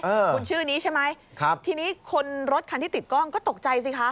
คุณชื่อนี้ใช่ไหมครับทีนี้คนรถคันที่ติดกล้องก็ตกใจสิคะ